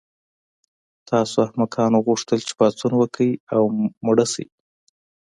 تاسو احمقانو غوښتل چې پاڅون وکړئ او مړه شئ